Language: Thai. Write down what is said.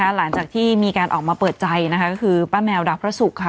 หลังจากที่มีการออกมาเปิดใจนะคะก็คือป้าแมวดาวพระศุกร์ค่ะ